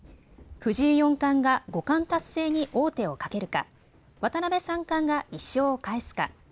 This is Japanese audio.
藤井四冠が五冠達成に王手をかけるか、渡辺三冠が１勝を返すか。